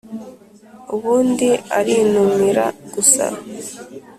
ubundi arinumira gusa